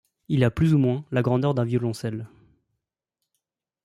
Il a plus ou moins la grandeur d'un violoncelle.